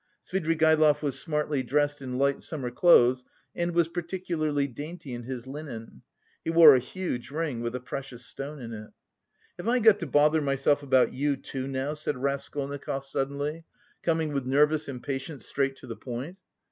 Svidrigaïlov was smartly dressed in light summer clothes and was particularly dainty in his linen. He wore a huge ring with a precious stone in it. "Have I got to bother myself about you, too, now?" said Raskolnikov suddenly, coming with nervous impatience straight to the point.